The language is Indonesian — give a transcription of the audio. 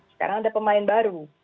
sekarang ada pemain baru